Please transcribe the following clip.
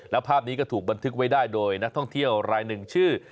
แล้วภาพนี้ก็ถูกบันทึกไว้ได้โดยนักท่องเที่ยวรายหนึ่งชื่อ